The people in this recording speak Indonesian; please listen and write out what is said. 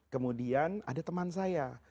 kemudian ada teman saya